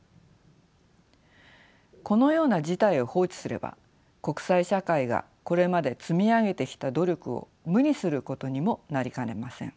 このような事態を放置すれば国際社会がこれまで積み上げてきた努力を無にすることにもなりかねません。